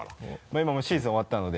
今もうシーズン終わったので。